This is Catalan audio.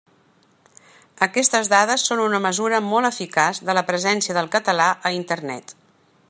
Aquestes dades són una mesura molt eficaç de la presència del català a Internet.